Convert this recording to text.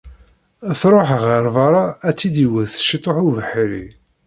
Truḥ ɣer berra ad tt-id-iwet ciṭuḥ ubeḥri.